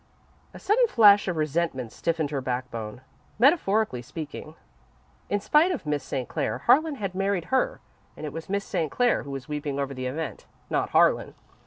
A sudden flash of resentment stiffened her backbone, metaphorically speaking. In spite of Miss St. Clair, Harlan had married her, and it was Miss St. Clair who was weeping over the event, not Harlan.